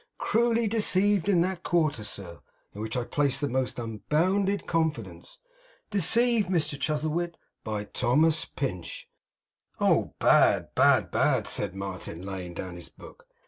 Cruelly deceived in that quarter, sir, in which I placed the most unbounded confidence. Deceived, Mr Chuzzlewit, by Thomas Pinch.' 'Oh! bad, bad, bad!' said Martin, laying down his book.